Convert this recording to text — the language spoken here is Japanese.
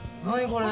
これ。